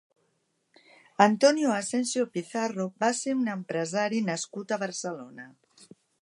Antonio Asensio Pizarro va ser un empresari nascut a Barcelona.